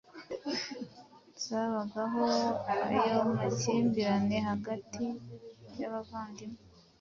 zabagaho. Ayo makimbirane hagati y’abavandimwe